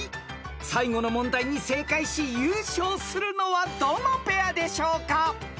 ［最後の問題に正解し優勝するのはどのペアでしょうか？］